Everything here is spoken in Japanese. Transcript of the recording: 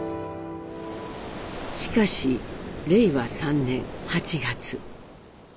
しかし令和３年８月。